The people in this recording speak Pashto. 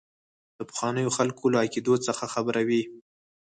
د پخوانیو خلکو له عقیدو څخه خبروي.